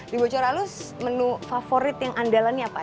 di bocor alus menu favorit yang andalan ini apa aja